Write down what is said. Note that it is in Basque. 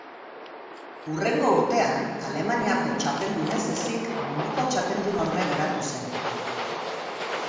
Hurrengo urtean, Alemaniako txapeldun ez ezik munduko txapeldunorde geratu zen.